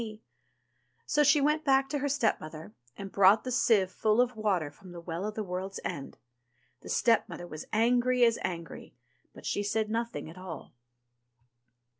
'* So she went back to her stepmother, and brought the sieve full of water from the Well of the World's End. The stepmother was angry as angry, but she said nothing at all.